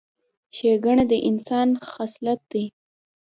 ښېګڼه د ښه انسان خصلت دی.